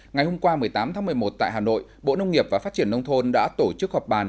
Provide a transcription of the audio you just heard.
ngày hôm qua một mươi tám tháng một mươi một tại hà nội bộ nông nghiệp và phát triển nông thôn đã tổ chức họp bàn